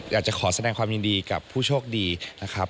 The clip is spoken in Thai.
อยากจะขอแสดงความยินดีกับผู้โชคดีนะครับ